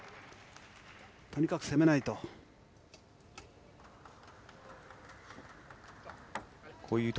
とにかく攻めないと。